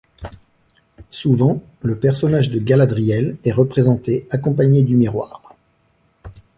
Souvent le personnage de Galadriel est représenté accompagné du miroir.